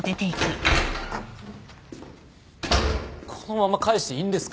このまま帰していいんですか？